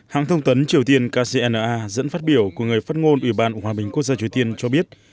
hãng thông tấn triều tiên kcna dẫn phát biểu của người phát ngôn ủy ban hòa bình quốc gia triều tiên cho biết